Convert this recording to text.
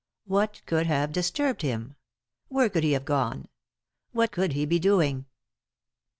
What could have disturbed him ? Where could he have gone ? What could he be doing